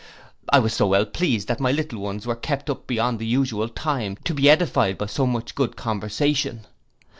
I was so well pleased, that my little ones were kept up beyond the usual time to be edified by so much good conversation.